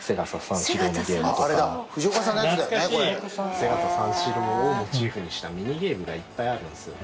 『せがた三四郎』をモチーフにしたミニゲームがいっぱいあるんですよね。